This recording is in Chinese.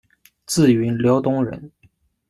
自云辽东人。